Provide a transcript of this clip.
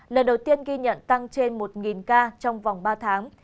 lần đầu tiên ghi nhận tăng trên một ca trong vòng ba tháng